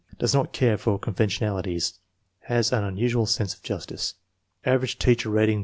Does not care for conventionalities. Has an unusual sense of justice." Average teacher rating, 2.